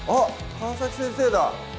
川先生だ